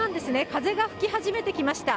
風が吹き始めてきました。